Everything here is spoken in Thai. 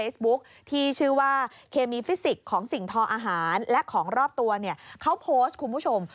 สิ่งทออาหารและของรอบตัวเขาโพสต์คุณผู้ชม